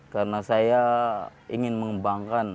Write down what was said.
karena saya ingin mengembangkan